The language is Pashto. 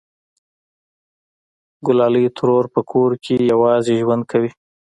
گلالۍ ترور په کور کې یوازې ژوند کوي